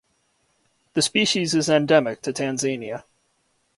The species is endemic to Tanzania.